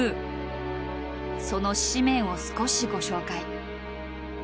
その誌面を少しご紹介。